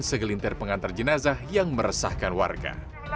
segelintir pengantar jenazah yang meresahkan warga